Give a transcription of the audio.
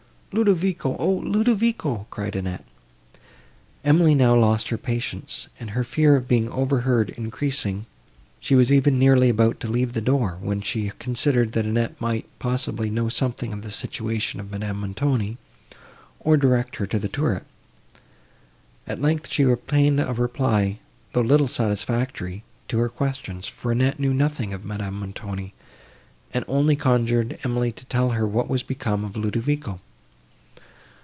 "Ludovico!—O, Ludovico!" cried Annette. Emily now lost her patience, and her fear of being overheard increasing, she was even nearly about to leave the door, when she considered, that Annette might, possibly, know something of the situation of Madame Montoni, or direct her to the turret. At length, she obtained a reply, though little satisfactory, to her questions, for Annette knew nothing of Madame Montoni, and only conjured Emily to tell her what was become of Ludovico.